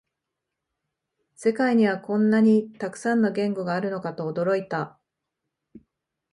世界にはこんなにたくさんの言語があるのかと驚いた